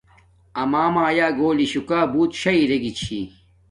امݳ مݳیݳ گݸلݵ شُکݳ بݸت شݳ رݵگݵ چھݵ.